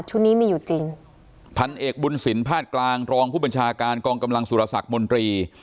นี้มีอยู่จริงพันเอกบุญสินภาคกลางรองผู้บัญชาการกองกำลังสุรสักมนตรี